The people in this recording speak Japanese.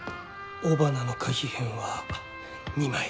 雄花の花被片は２枚。